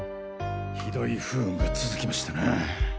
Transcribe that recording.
酷い不運が続きましたなぁ。